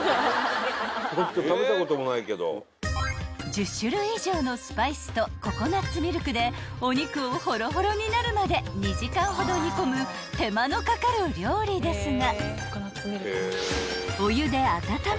［１０種類以上のスパイスとココナッツミルクでお肉をほろほろになるまで２時間ほど煮込む手間のかかる料理ですが］